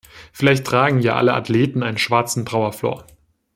Vielleicht tragen ja alle Athleten einen schwarzen Trauerflor.